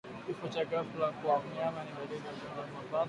Kifo cha ghafla kwa mnyama ni dalili ya ugonjwa wa mapafu